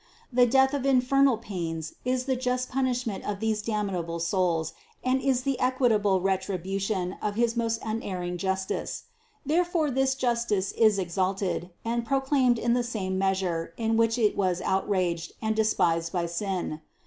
The death of infernal pains is the just punishment of these damnable souls and is the equitable retribution of his most unerring justice. Thereby this justice is exalted and proclaimed in the same measure in which it was outraged and despised by sin.